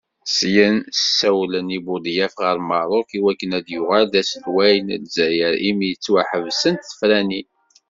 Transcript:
Syin, ssawlen i Budyaf ɣer Merruk i waken ad yuɣal d aselwaya n Lezzayer imi ttwaḥebsent tefranin.